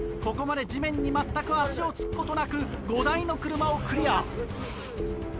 ここまで地面に全く足をつくことなく５台の車をクリア。